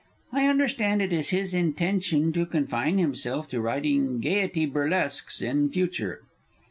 I understand it is his intention to confine himself to writing Gaiety burlesques in future.